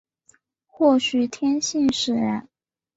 或许天性使然